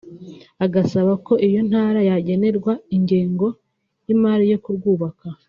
agasaba ko iyo ntara yagenerwa ingengo y’imari yo kurwubaka